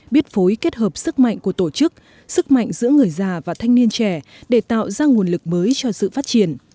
biết phối kết hợp sức mạnh của tổ chức sức mạnh giữa người già và thanh niên trẻ để tạo ra nguồn lực mới cho sự phát triển